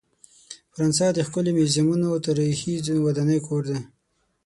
فرانسه د ښکلې میوزیمونو او تاریخي ودانۍ کور دی.